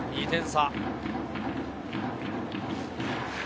２点差。